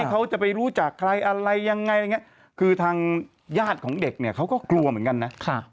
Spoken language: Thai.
เขาจะไปรู้จักใครอะไรยังไงคือทางญาติของเด็กเขาก็กลัวเหมือนกันนะ